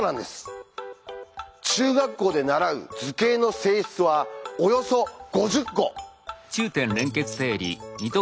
中学校で習う図形の性質はおよそ５０個。